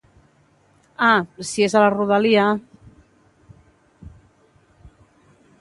Ah, si és a la rodalia...